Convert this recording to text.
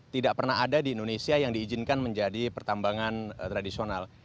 tidak pernah ada di indonesia yang diizinkan menjadi pertambangan tradisional